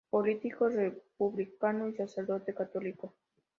Político republicano y sacerdote católico.